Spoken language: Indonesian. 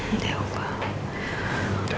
udah ya udah